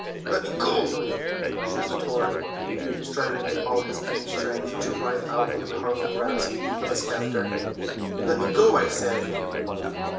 "Let me go!" shrieked Tor, striving with all his puny strength to writhe out of the powerful grasp of his captor. "Let me go, I say!"